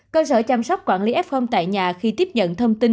cơ sở chăm sóc quản lý f tại nhà khi tiếp nhận thông tin